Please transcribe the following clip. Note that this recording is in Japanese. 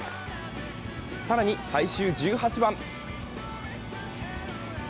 更に、最終１８番。